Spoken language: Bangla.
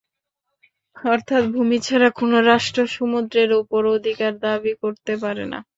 অর্থাৎ ভূমি ছাড়া কোনো রাষ্ট্র সমুদ্রের ওপর অধিকার দাবি করতে পারে না।